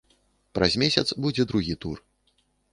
Праз месяц будзе другі тур.